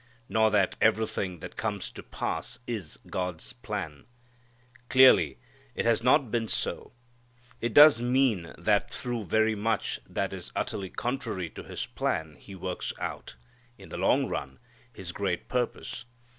Nor that everything that comes to pass is God's plan. Clearly it has not been so. It does mean that through very much that is utterly contrary to His plan He works out, in the long run, His great purpose.